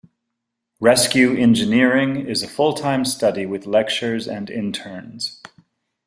Rescue Engineering is a full-time study with lectures and interns.